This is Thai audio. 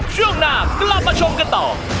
ช่วงหน้ากลับมาชมกันต่อ